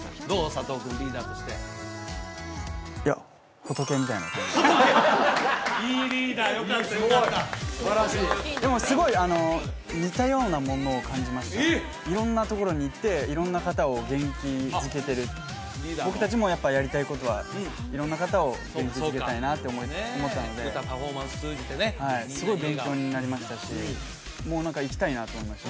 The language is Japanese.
佐藤君リーダーとしていやいいリーダーよかったよかったすごいすばらしいでもすごい似たようなものを感じました色んなところに行って色んな方を元気づけてる僕達もやっぱりやりたいことは色んな方を元気づけたいなと思ったので歌パフォーマンス通じてねはいすごい勉強になりましたし何か行きたいなって思いました